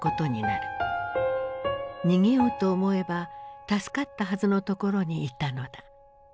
逃げようと思えば助かったはずのところにいたのだ。